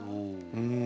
うん。